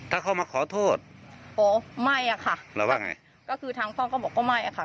ถ้าเขามาขอโทษอ๋อไม่อ่ะค่ะแล้วว่าไงก็คือทางพ่อก็บอกก็ไม่อะค่ะ